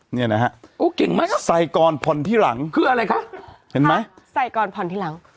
เนี้ยน่ะฮะโอ้เก่งไหมครับใส่กรพลที่หลังคืออะไรคะเห็นไหมใส่กรพลที่หลัง